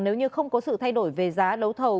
nếu như không có sự thay đổi về giá đấu thầu